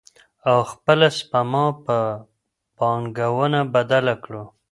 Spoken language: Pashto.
او خپله سپما په پانګونه بدله کړو.